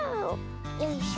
よいしょ。